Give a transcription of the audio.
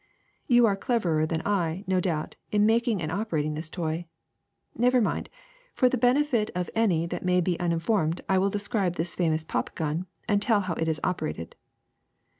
You are cleverer than I, no doubt, in making and operating this toy. Never mind ; for the benefit of any that may be uninformed I will describe this famous pop gnn and tell how it is operated.